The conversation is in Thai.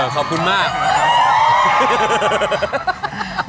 ขอบคุณมาก